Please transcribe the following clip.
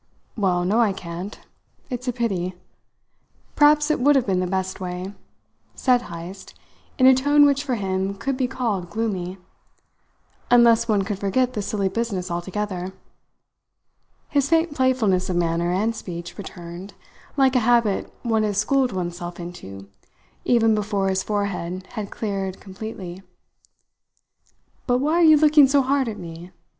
Well, no I can't. It's a pity. Perhaps it would have been the best way," said Heyst, in a tone which for him could be called gloomy. "Unless one could forget the silly business altogether." His faint playfulness of manner and speech returned, like a habit one has schooled oneself into, even before his forehead had cleared completely. "But why are you looking so hard at me?